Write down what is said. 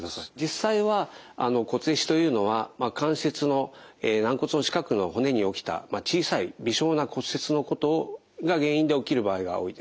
実際は骨壊死というのは関節の軟骨の近くの骨に起きた小さい微小な骨折のことが原因で起きる場合が多いです。